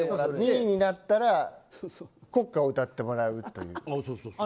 ２位になったら国歌を歌ってもらう。